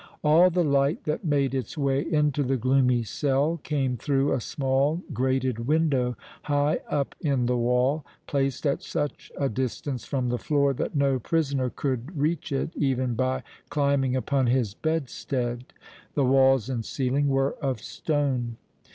All the light that made its way into the gloomy cell came through a small grated window high up in the wall, placed at such a distance from the floor that no prisoner could reach it even by climbing upon his bedstead. The walls and ceiling were of stone.